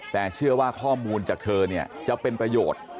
แต่เชื่อว่าข้อมูลจากเธอเนี่ยจะเป็นประโยชน์